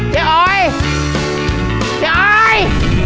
เจ๊อ๋อยเจ๊อ๋อย